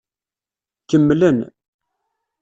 Kemmlen.